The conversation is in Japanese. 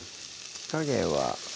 火加減は？